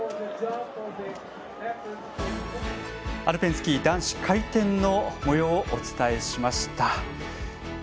アルペンスキー男子回転のもようをお伝えしました。